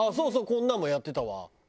こんなんもやってたわ。